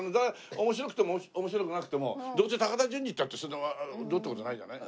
面白くても面白くなくてもどうせ高田純次って言ったってどうって事ないじゃない？